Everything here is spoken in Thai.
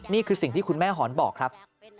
นี่คือสิ่งที่คุณแม่หอนบอกครับ